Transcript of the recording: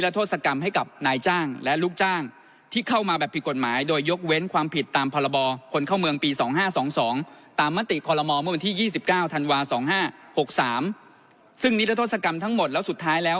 ที่๒๙ธันวา๒๕๖๓ซึ่งนิทรศกรรมทั้งหมดแล้วสุดท้ายแล้ว